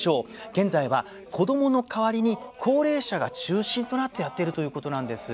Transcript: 現在は子供の代わりに高齢者が中心となってやっているということなんです。